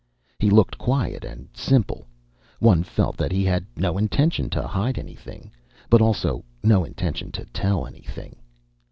He looked quiet and simple. One felt that he had no intention to hide anything, but also no intention to tell anything.